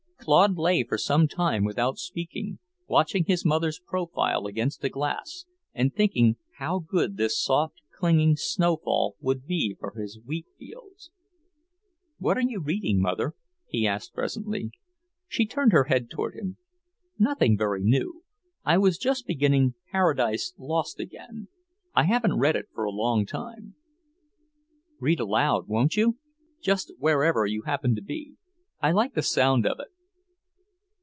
Claude lay for some time without speaking, watching his mother's profile against the glass, and thinking how good this soft, clinging snow fall would be for his wheat fields. "What are you reading, Mother?" he asked presently. She turned her head toward him. "Nothing very new. I was just beginning 'Paradise Lost' again. I haven't read it for a long while." "Read aloud, won't you? Just wherever you happen to be. I like the sound of it."